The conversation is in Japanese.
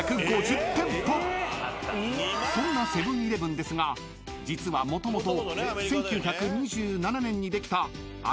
［そんなセブン−イレブンですが実はもともと］